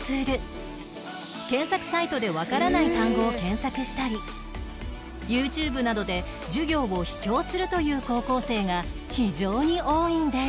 検索サイトでわからない単語を検索したり ＹｏｕＴｕｂｅ などで授業を視聴するという高校生が非常に多いんです